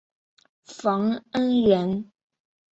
冯恩人。